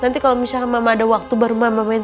nanti kalau misalnya mama ada waktu baru mama main